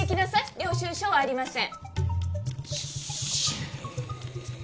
領収証はありません